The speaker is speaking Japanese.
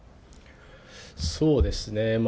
そうですね。